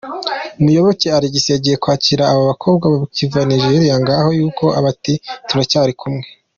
Muyoboke Alex yagiye kwakira aba bakobwa bakiva Nigeria Ngayo nguko bati turacyari kumwe.